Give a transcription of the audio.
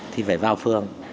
thì phải vào phường